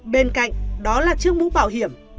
bên cạnh đó là chiếc mũ bảo hiểm